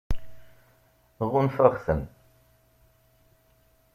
Ɣunfaɣ-ten.